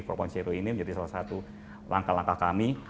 propose zero ini menjadi salah satu langkah langkah kami